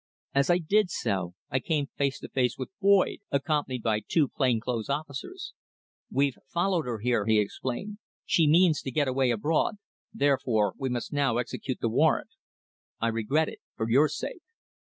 As I did so, I came face to face with Boyd, accompanied by two plain clothes officers. "We've followed her here," he explained. "She means to get away abroad, therefore we must now execute the warrant. I regret it, for your sake."